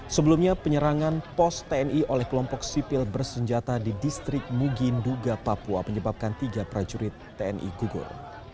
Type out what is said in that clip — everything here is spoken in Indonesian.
sebelumnya penyerangan pos tni oleh kelompok sipil bersenjata di distrik muginduga papua menyebabkan tiga prajurit tni gugur